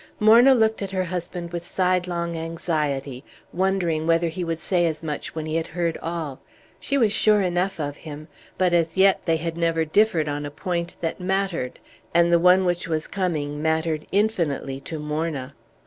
Morna looked at her husband with sidelong anxiety, wondering whether he would say as much when he had heard all. She was sure enough of him. But as yet they had never differed on a point that mattered, and the one which was coming mattered infinitely to Morna.